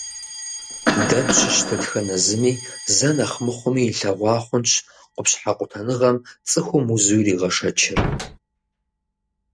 Дэ тщыщ дэтхэнэ зыми зэ нэхъ мыхъуми илъэгъуа хъунщ къупщхьэ къутэныгъэм цӏыхум узу иригъэшэчыр.